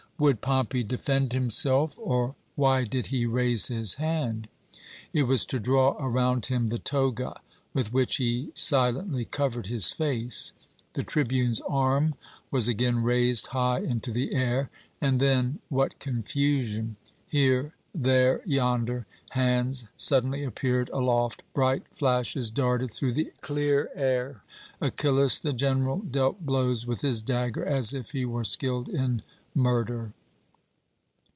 Would Pompey defend himself, or why did he raise his hand? It was to draw around him the toga, with which he silently covered his face. The tribune's arm was again raised high into the air, and then what confusion! Here, there, yonder, hands suddenly appeared aloft, bright flashes darted through the clear air. Achillas, the general, dealt blows with his dagger as if he were skilled in murder.